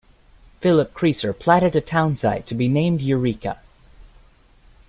Philip Creasor platted a townsite to be named Eureka.